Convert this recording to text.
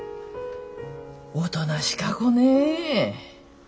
おとなしか子ね。